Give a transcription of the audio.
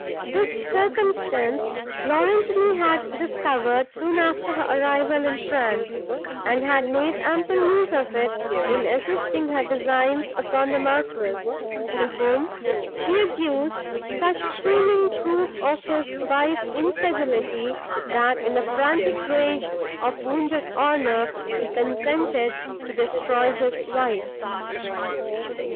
This circumstance Laurentini had discovered, soon after her arrival in France, and had made ample use of it in assisting her designs upon the Marquis, to whom she adduced such seeming proof of his wife's infidelity, that, in the frantic rage of wounded honour, he consented to destroy his wife.